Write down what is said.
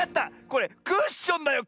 これクッションだよ